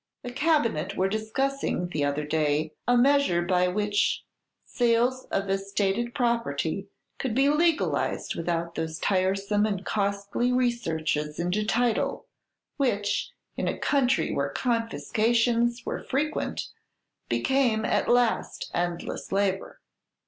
The cabinet were discussing t' other day a measure by which sales of estated property could be legalized without those tiresome and costly researches into title which, in a country where confiscations were frequent, became at last endless labor.